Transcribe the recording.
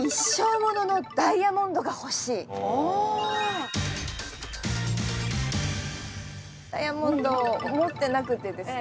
ダイヤモンド持ってなくってですね。